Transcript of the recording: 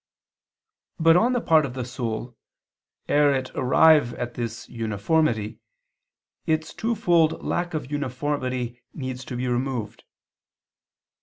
But on the part of the soul, ere it arrive at this uniformity, its twofold lack of uniformity needs to be removed.